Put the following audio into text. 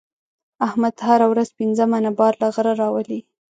احمد هره ورځ پنځه منه بار له غره راولي.